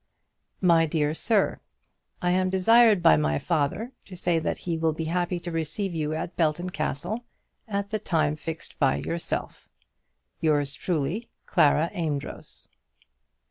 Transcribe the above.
MY DEAR SIR, I am desired by my father to say that he will be happy to receive you at Belton Castle, at the time fixed by yourself. Yours truly, CLARA AMEDROZ.